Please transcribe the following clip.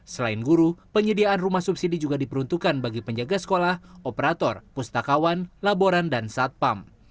selain guru penyediaan rumah subsidi juga diperuntukkan bagi penjaga sekolah operator pustakawan laboran dan satpam